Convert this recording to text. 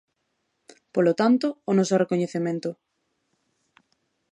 Polo tanto, o noso recoñecemento.